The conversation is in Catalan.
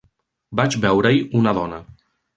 Vaig veure-hi una dona.